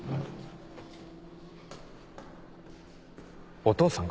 お父さんが？